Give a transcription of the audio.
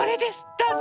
どうぞ。